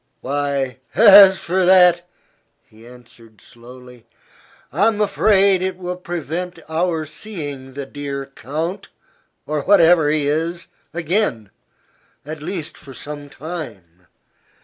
"Why, as for that," he answered, slowly, "I'm afraid it will prevent our seeing the dear count or whatever he is again, at least for some time.